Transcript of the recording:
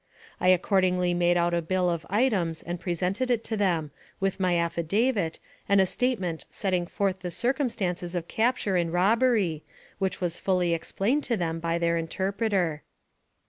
I accordingly made out a bill of items and presented it to them, with my affidavit, and a statement setting forth the circumstances of capture and robbery, which was fully explained to them by their interpreter.